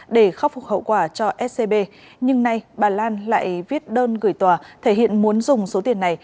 để khắc phục hậu quả cho scb nhưng nay bà lan lại viết đơn gửi tòa thể hiện muốn dùng số tiền này